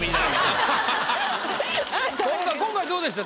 今回どうでした？